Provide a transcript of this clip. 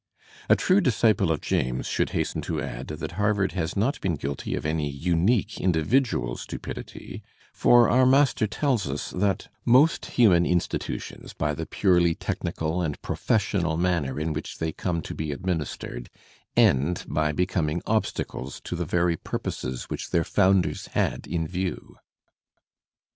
A true disciple of James should hasten to add that Harvard has not been guilty of any unique individual stupidity, for our mas ter tells us that "most human institutions, by the purely Digitized by Google 300 THE SPIRIT OF AMERICAN LITERATURE (' technical and professional manner in which they come to be administered, end by becoming obstacles to the veiy pur poses which their founders had in view."